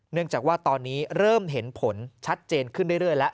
เนื่องจากว่าตอนนี้เริ่มเห็นผลชัดเจนขึ้นเรื่อยแล้ว